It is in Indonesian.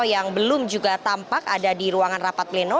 yang belum juga tampak ada di ruangan rapat pleno